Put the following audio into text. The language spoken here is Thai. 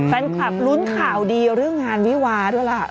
แฟนคลับลุ้นข่าวดีเรื่องงานวิวาด้วยล่ะ